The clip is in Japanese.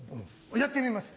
やってみます。